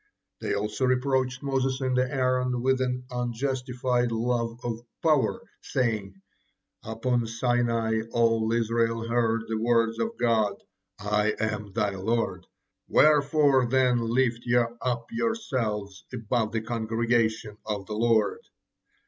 They also reproached Moses and Aaron with an unjustified love of power, saying: "Upon Sinai all Israel heard the words of God, 'I am thy Lord.' Wherefore then lift ye up yourselves above the congregation of the Lord?"